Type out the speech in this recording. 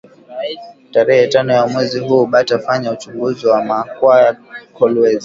Tarehe tano ya mwezi huu bata fanya uchunguzi wa ma kwaya ya kolwezi